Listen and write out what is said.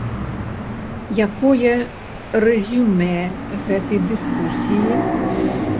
Якое рэзюмэ гэтай дыскусіі?